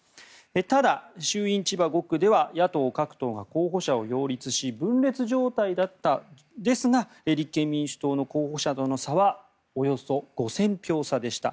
ただ、衆院千葉５区では野党各党が候補者を擁立し分裂状態だったんですが立憲民主党の候補者との差はおよそ５００票差でした。